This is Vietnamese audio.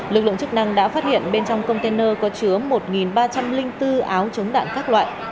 lực lượng chức năng đã phát hiện bên trong container có chứa một ba trăm linh bốn áo chống đạn các loại